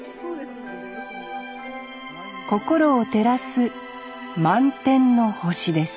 心を照らす満点の星です